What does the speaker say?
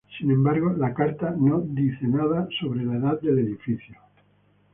Sin embargo, la carta no menciona nada sobre la edad del edificio.